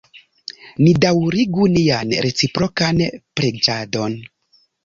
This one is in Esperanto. Ni daŭrigu nian reciprokan preĝadon.